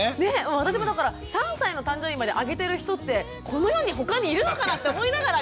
私もだから３歳の誕生日まであげてる人ってこの世に他にいるのかな？って思いながらあげてましたから。